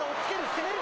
攻める。